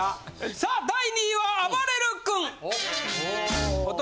さあ第２位はあばれる君。